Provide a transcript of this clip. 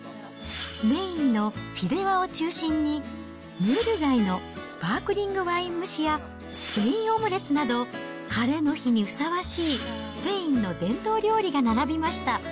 メインのフィデワを中心に、ムール貝のスパークリングワイン蒸しやスペインオムレツなど、ハレの日にふさわしいスペインの伝統料理が並びました。